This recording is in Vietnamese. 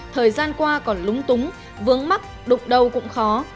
thời gian qua còn lúng túng vướng mắt đụng đâu cũng khó